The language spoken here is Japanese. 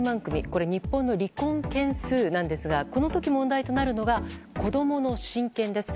これ日本の離婚件数なんですがこの時、問題となるのが子供の親権です。